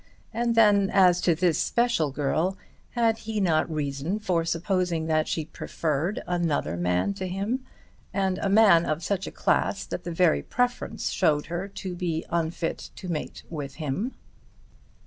And then, as to this special girl, had he not reason for supposing that she preferred another man to him, and a man of such a class that the very preference showed her to be unfit to mate with him?